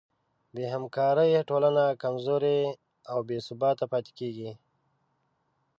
بېهمکارۍ ټولنه کمزورې او بېثباته پاتې کېږي.